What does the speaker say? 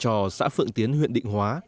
cho xã phượng tiến huyện định hóa